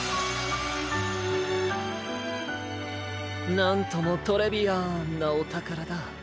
なんともトレビアンなおたからだ。